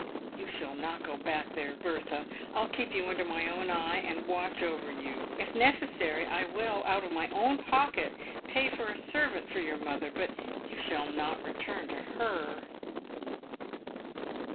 You shall not go back there, Bertha. I'll keep you under my own eye, and watch over you. If necessary, I will, out of my own pocket, pay for a servant for your mother ; but you shall not return to her."